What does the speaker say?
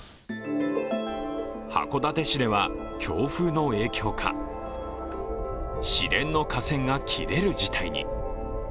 函館市では、強風の影響か市電の架線がきれる事態に。